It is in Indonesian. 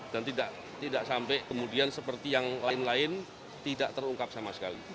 dan tidak sampai kemudian seperti yang lain lain tidak terungkap sama sekali